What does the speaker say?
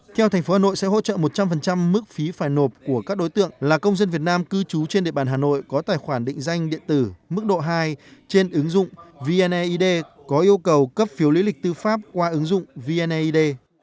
theo tp hà nội sẽ hỗ trợ một trăm linh mức phí phải nộp của các đối tượng là công dân việt nam cư trú trên địa bàn hà nội có tài khoản định danh điện tử mức độ hai trên ứng dụng vneid có yêu cầu cấp phiếu lý lịch tư pháp qua ứng dụng vneid